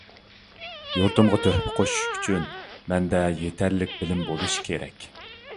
يۇرتۇمغا تۆھپە قوشۇش ئۈچۈن مەندە يېتەرلىك بىلىم بولۇشى كېرەك.